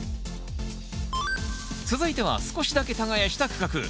続いては少しだけ耕した区画。